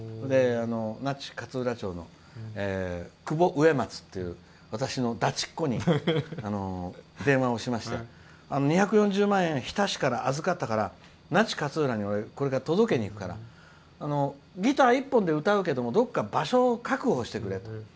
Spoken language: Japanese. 那智勝浦町の久保、上松っていう私のだちっこに電話しまして２４０万円、日田市から預かりましたから那智勝浦にこれから届けに行きますからギター一本で歌うけども、どっか場所、確保してくれと。